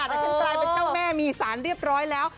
แต่ฉันกลายเป็นเจ้าแม่มีสารเรียบร้อยแล้ว